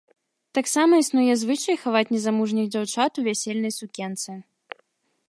Таксама існуе звычай хаваць незамужніх дзяўчат у вясельнай сукенцы.